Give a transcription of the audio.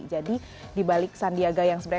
jadi di balik sandiaga yang sama